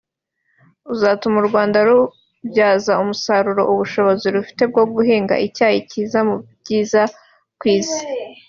uzatuma u Rwanda rubyaza umusaruro ubushobozi rufite bwo guhinga icyayi kiza mu byiza ku isi